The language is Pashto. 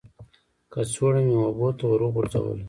کڅوړه مې اوبو ته ور وغورځوله.